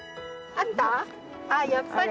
あっやっぱり。